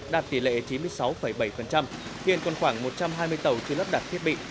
đạt tỷ lệ chín mươi sáu bảy hiện còn khoảng một trăm hai mươi tàu chưa lắp đặt thiết bị